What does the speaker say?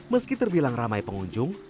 meski terbilang ramai pengunjung